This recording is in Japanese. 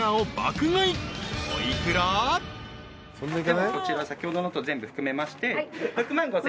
こちら先ほどのと全部含めまして。